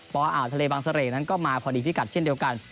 พออ่าวทะเลบางเสร่นั้นก็มาพอดีพิกัดเช่นเดียวกัน